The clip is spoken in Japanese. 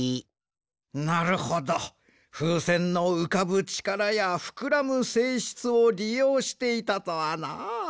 なるほどふうせんのうかぶちからやふくらむせいしつをりようしていたとはな。